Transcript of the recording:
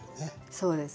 そうです。